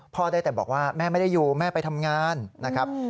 ได้แต่บอกว่าแม่ไม่ได้อยู่แม่ไปทำงานนะครับ